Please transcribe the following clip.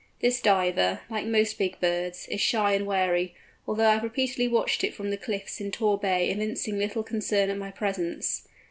This Diver, like most big birds, is shy and wary, although I have repeatedly watched it from the cliffs in Tor Bay evincing little concern at my presence.